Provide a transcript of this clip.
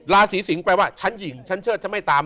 ราศีสิงศ์แปลว่าฉันหญิงฉันเชิดฉันไม่ตาม